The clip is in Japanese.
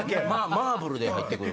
マーブルで入って来る。